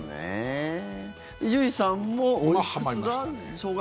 伊集院さんもおいくつだ？